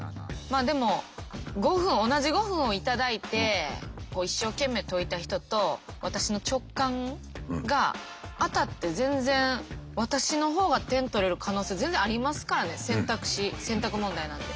でも５分同じ５分を頂いて一生懸命解いた人と私の直感が当たって全然私の方が点取れる可能性全然ありますからね選択肢選択問題なんで。